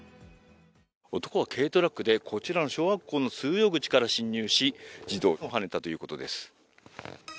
男は軽トラックでこちらの小学校の通用口から侵入し、児童をはねたということです。